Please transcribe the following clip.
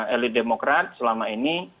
elit demokrat selama ini